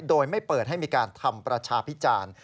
โดยไม่เปิดให้มีการทำประชาพิจารณ์